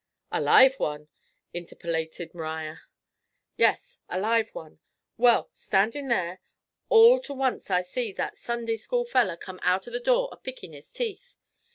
'A live one,' interpolated M'riar. 'Yes, a live one. Well, standin' there, all to once I see that Sunday school feller come out o' the door a pickin' his teeth.